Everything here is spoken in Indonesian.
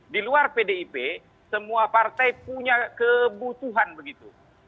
di luar pdip semua partai punya kebutuhan begitu